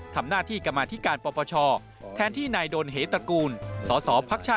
ทำหน้าธีกรรมอธิการปลอบประชา